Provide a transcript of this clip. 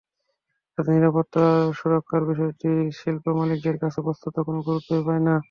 তাঁদের নিরাপত্তা সুরক্ষার বিষয়টি শিল্পমালিকদের কাছে বস্তুত কোনো গুরুত্বই পায় না।